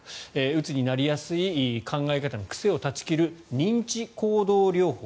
うつになりやすい考え方の癖を断ち切る認知行動療法